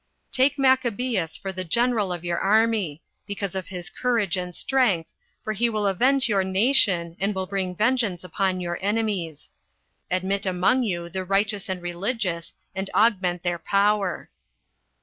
Take Maccabeus for the general of your army, because of his courage and strength, for he will avenge your nation, and will bring vengeance on your enemies. Admit among you the righteous and religious, and augment their power."